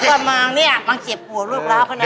เพื่อมองเนี่ยมันเห็นเจ็บปวดรูปร้อมข้าหนึ่งไง